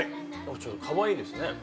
ちょっとかわいいですね。